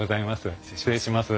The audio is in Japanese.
失礼します。